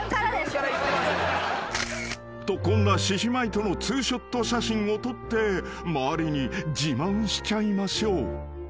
［とこんな獅子舞とのツーショット写真を撮って周りに自慢しちゃいましょう］